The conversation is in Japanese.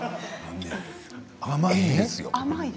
甘いんですよ。